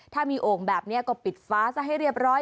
ถ้ามีโอ่งแบบนี้ก็ปิดฟ้าซะให้เรียบร้อย